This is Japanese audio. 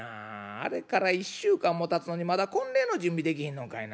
あれから１週間もたつのにまだ婚礼の準備できひんのんかいな。